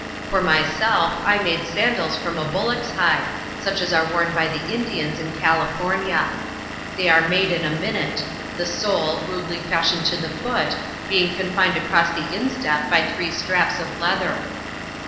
For myself, I made sandals from a bullock's hide, such as are worn by the Indians in California. They are made in a minute ; the sole, rudely fashioned to the foot, being con fined across the instep by three straps of leather.